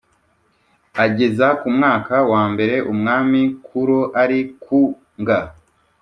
ageza ku mwaka wa mbere Umwami Kūro ari ku ng